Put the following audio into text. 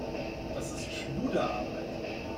Das ist Schluderarbeit.